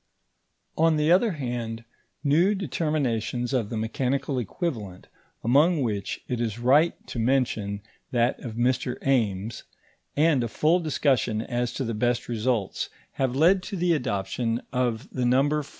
On the other hand, new determinations of the mechanical equivalent, among which it is right to mention that of Mr. Ames, and a full discussion as to the best results, have led to the adoption of the number 4.